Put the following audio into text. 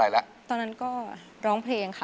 อายุ๒๔ปีวันนี้บุ๋มนะคะ